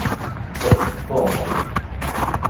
Ṭṭef-d Tom.